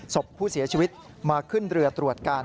ศพผู้เสียชีวิตมาขึ้นเรือตรวจการ